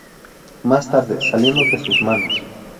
Más tarde, saliendo de sus manos.